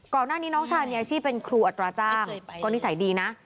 ก่อนหน้านี้น้องชายมีอาชีพเป็นครูอัตราจ้างก็นิสัยดีนะ